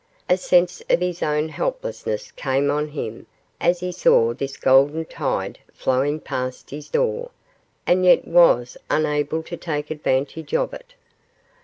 A sense of his own helplessness came on him as he saw this golden tide flowing past his door, and yet was unable to take advantage of it.